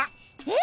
え？